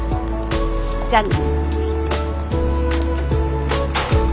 じゃあね。